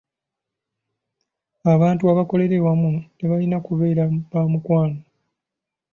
Abantu abakolera awamu tebalina kubeera ba mukwano.